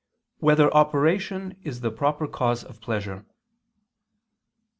1] Whether Operation Is the Proper Cause of Pleasure?